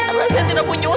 karena saya tidak punya uang